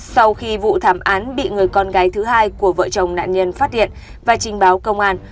sau khi vụ thảm án bị người con gái thứ hai của vợ chồng nạn nhân phát hiện và trình báo công an